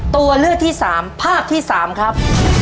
ตัวเลือกที่สามภาพที่สามครับ